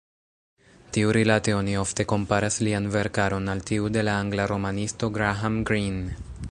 Tiurilate oni ofte komparas lian verkaron al tiu de la angla romanisto Graham Greene.